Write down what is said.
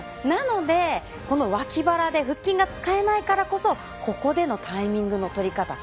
なので、脇腹で腹筋が使えないからこそここでのタイミングの取り方。